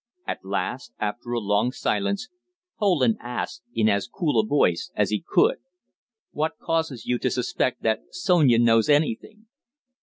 At last, after a long silence, Poland asked in as cool a voice as he could "What causes you to suspect that Sonia knows anything?"